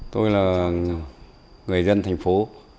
tôi là người dân thành phố